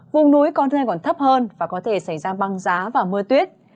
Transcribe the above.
vùng núi còn thấp hơn và có thể xảy ra băng giá và mưa tuyết